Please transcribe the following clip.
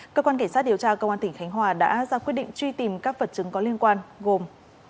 cơ quan cảnh sát điều tra công an tỉnh khánh hòa đã ra quyết định truy tìm các vật chứng có liên quan gồm